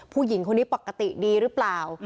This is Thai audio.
ผู้หญิงคนนี้ปกติดีหรือเปล่า